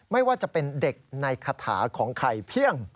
ไม่ว่าจะเป็นเด็กในคาถาของใครเพียง